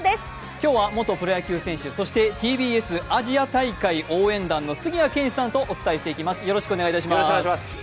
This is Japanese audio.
今日は元プロ野球選手、そしてＴＢＳアジア大会応援団の杉谷拳士さんとお伝えしていきます。